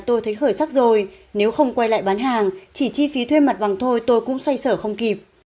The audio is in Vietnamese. tôi thấy khởi sắc rồi nếu không quay lại bán hàng chỉ chi phí thuê mặt bằng thôi tôi cũng xoay sở không kịp